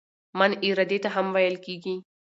"من" ارادې ته هم ویل کیږي.